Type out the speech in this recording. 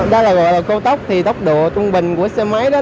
đó là gọi là cao tốc thì tốc độ trung bình của xe máy đó